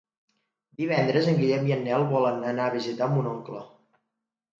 Divendres en Guillem i en Nel volen anar a visitar mon oncle.